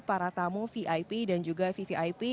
para tamu vip dan juga vvip